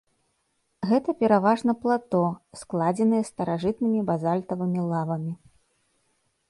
Гэта пераважна плато, складзеныя старажытнымі базальтавымі лавамі.